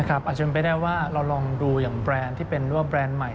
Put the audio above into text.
อาจจะเป็นไปได้ว่าเราลองดูอย่างแบรนด์ที่เป็นว่าแบรนด์ใหม่